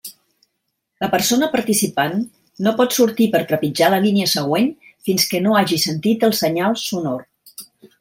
La persona participant no pot sortir per trepitjar la línia següent fins que no hagi sentit el senyal sonor.